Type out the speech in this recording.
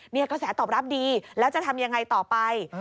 กระแสตอบรับดีแล้วจะทำยังไงต่อไป